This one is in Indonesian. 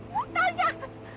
saya sudah berhenti mencari kamu